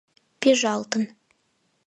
Пӱжалтын.